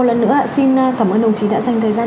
một lần nữa xin cảm ơn đồng chí đã dành thời gian